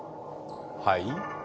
はい？